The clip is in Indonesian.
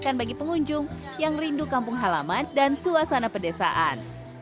dan bagi pengunjung yang rindu kampung halaman dan suasana pedesaan